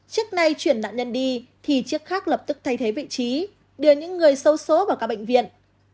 trước nay chuyển nạn nhân đi thì chiếc khác lập tức thay thế vị trí đưa những người xấu xố vào các bệnh viện